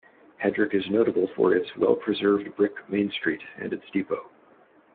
Hedrick is notable for its well-preserved brick Main Street and its depot.